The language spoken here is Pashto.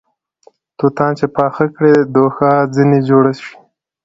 توتان چې پاخه کړې دوښا ځنې جوړه سې